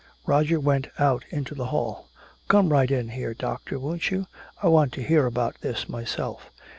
Roger went out into the hall: "Come right in here, doctor, won't you? I want to hear about this myself."